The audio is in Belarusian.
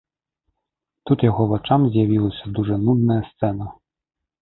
Тут яго вачам з'явілася дужа нудная сцэна.